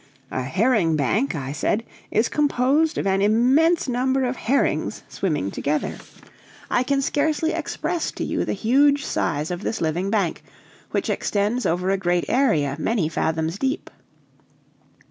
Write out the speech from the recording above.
"A herring bank," I said, "is composed of an immense number of herrings swimming together. I can scarcely express to you the huge size of this living bank, which extends over a great area many fathoms deep.